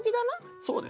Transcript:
そうですね。